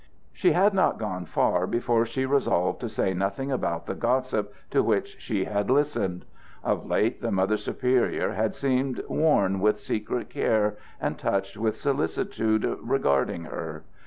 She had not gone far before she resolved to say nothing about the gossip to which she had listened. Of late the Mother Superior had seemed worn with secret care and touched with solicitude regarding her.